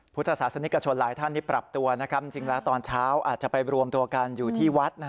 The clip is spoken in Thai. พุทธศาสนิกชนหลายท่านที่ปรับตัวจริงแล้วตอนเช้าอาจจะไปรวมตัวกันอยู่ที่วัด